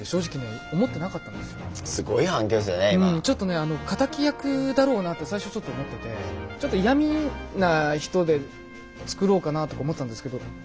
ちょっとね仇役だろうなって最初ちょっと思っててちょっと嫌みな人で作ろうかなとか思ってたんですけど